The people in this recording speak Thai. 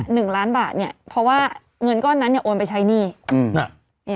หนึ่งล้านบาทเนี่ยเพราะว่าเงินก้อนนั้นเนี่ยโอนไปใช้หนี้อืมน่ะ